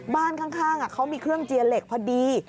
บ้านข้างเขามีเครื่องเจียเหล็กพอดี